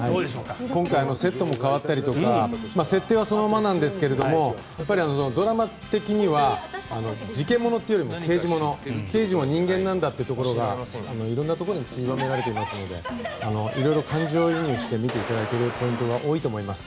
今回セットも変わったりとか設定はそのままなんですがドラマ的には事件物というよりも刑事もの刑事も人間なんだというところが色んなところにちりばめられているので色々、感情移入して見ていただけるポイントが多いと思います。